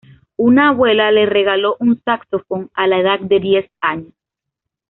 Una abuela le regaló un saxofón a la edad de diez años.